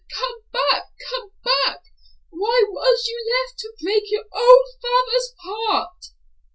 Come back, come back! Why was you left to break your old father's heart?"